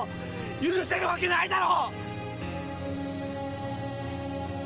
許せる訳ないだろ！！